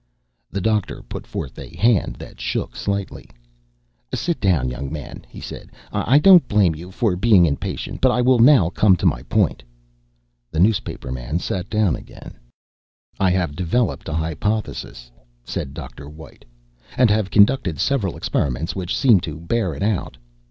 The doctor put forth a hand that shook slightly. "Sit down, young man," he said. "I don't blame you for being impatient, but I will now come to my point." The newspaperman sat down again. "I have developed a hypothesis," said Dr. White, "and have conducted several experiments which seem to bear it out.